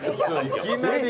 いきなり。